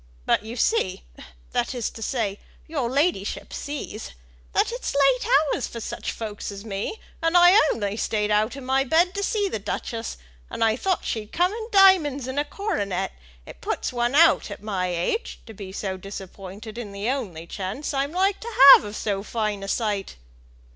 But, you see that is to say, your ladyship sees, that it's late hours for such folks as me, and I only stayed out of my bed to see the duchess, and I thought she'd come in diamonds and a coronet; and it puts one out at my age, to be disappointed in the only chance I'm like to have of so fine a sight."